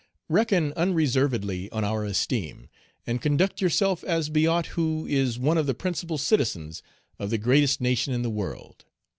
"Reckon unreservedly on our esteem, and conduct yourself as be ought who is one of the principal citizens of the greatest nation in the world.